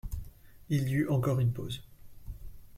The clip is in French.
Il y eut encore une pause.